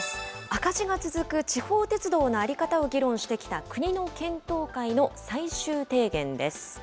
赤字が続く地方鉄道の在り方を議論してきた、国の検討会の最終提言です。